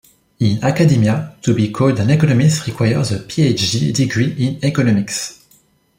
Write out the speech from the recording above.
In academia, to be called an economist requires a Ph.D. degree in Economics.